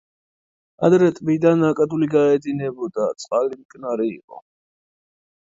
ადრე ტბიდან ნაკადული გაედინებოდა, წყალი მტკნარი იყო.